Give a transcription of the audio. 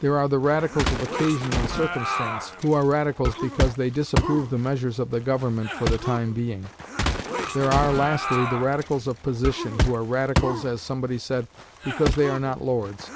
There are the radicals of occasion and circumstance, who are radicals because they disapprove the measures of the government for the time being. There are, lastly, the Radicals of position, who are Radicals, as somebody said, because they are not lords.